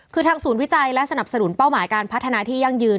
คือทางศูนย์วิจัยและสนับสนุนเป้าหมายการพัฒนาที่ยั่งยืน